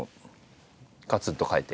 がつんと変えて？